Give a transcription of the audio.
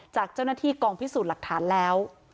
จากเจ้าหน้าที่กองพิสูจน์หลักฐานแล้ว